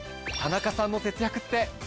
田中さんの節約って。